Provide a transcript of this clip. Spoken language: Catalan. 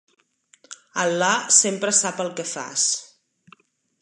Alà sempre sap el que fas.